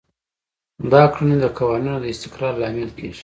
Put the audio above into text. دا کړنې د قوانینو د استقرار لامل کیږي.